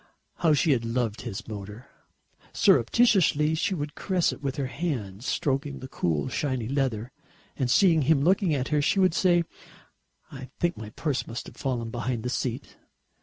How she had loved his motor! Surreptitiously she would caress it with her hand, stroking the cool shiny leather, and seeing him looking at her, she would say, "I think my purse must have fallen behind the seat."